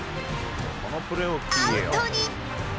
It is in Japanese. アウトに。